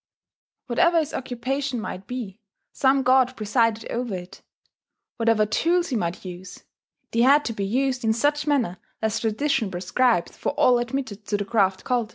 Whatever his occupation might be, some god presided over it; whatever tools he might use, they had to be used in such manner as tradition prescribed for all admitted to the craft cult.